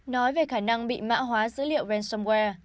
nói về khả năng bị mạ hóa dữ liệu ransomware